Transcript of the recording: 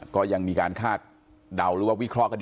ก็ยังมีการคาดเดาหรือวิเคราะห์